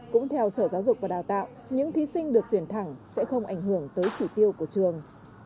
cũng theo sở giáo dục và đào tạo những thí sinh được tuyển thẳng sẽ không ảnh hưởng tới chỉ tiêu của trường